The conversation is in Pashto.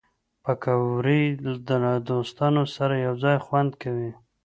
پکورې له دوستانو سره یو ځای خوند کوي